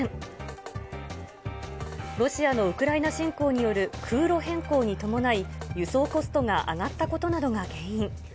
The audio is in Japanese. ロシアのウクライナ侵攻による空路変更に伴い、輸送コストが上がったことなどが原因。